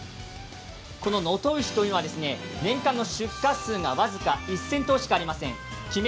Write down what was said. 能登牛というのは年間の出火数が僅か１０００頭しかありません。